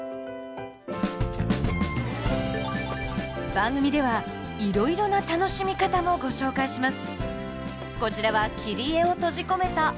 番組ではいろいろな楽しみ方もご紹介します。